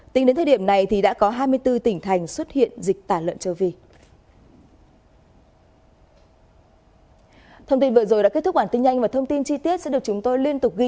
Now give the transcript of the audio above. tính đến thời điểm này thì đã có hai mươi bốn tỉnh thành xuất hiện dịch tả lợn châu phi